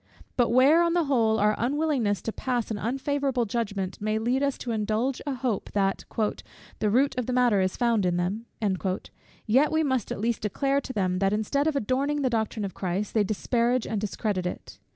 But where, on the whole, our unwillingness to pass an unfavourable judgment may lead us to indulge a hope, that "the root of the matter is found in them;" yet we must at least declare to them, that instead of adorning the doctrine of Christ, they disparage and discredit it.